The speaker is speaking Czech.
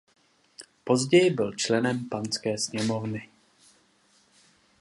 Později byl členem Panské sněmovny.